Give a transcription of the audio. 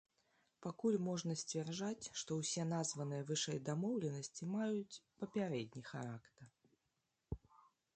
Пакуль можна сцвярджаць, што ўсе названыя вышэй дамоўленасці маюць папярэдні характар.